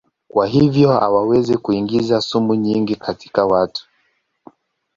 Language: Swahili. Kwa hivyo hawawezi kuingiza sumu nyingi katika watu.